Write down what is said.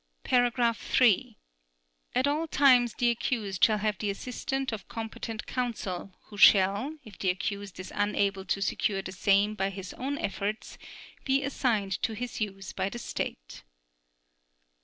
(3) At all times the accused shall have the assistance of competent counsel who shall, if the accused is unable to secure the same by his own efforts, be assigned to his use by the State.